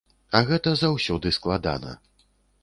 А гэта заўсёды складана.